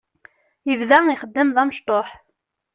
Yebda ixeddim d amecṭuḥ.